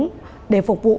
cả nhà lăn như bống